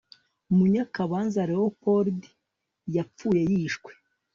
munyakayanza leopold yapfuye yishwe